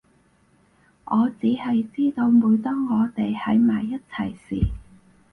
我只係知道每當我哋喺埋一齊時